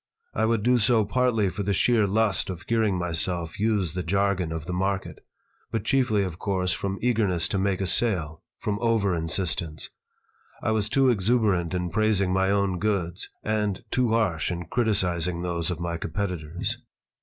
I would do so partly for the sheer lust of hearing myself use the jargon of the market, but chiefly, of course, from eagerness to make a sale, from over insistence. I was too exuberant in praising my own goods and too harsh in criticising those of my competitors.